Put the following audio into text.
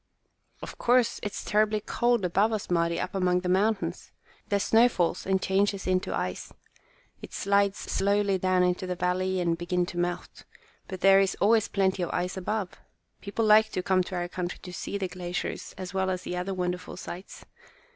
"Of course, it's terribly cold above us, Mari, up among the mountains. The snow falls and changes into ice. It slides slowly down into the valleys and begins to melt, but there is always plenty of ice above. People like to come to our country to see the glaciers as well as the other wonderful sights.